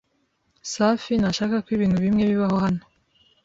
Safi ntashaka ko ibintu bimwe bibaho hano.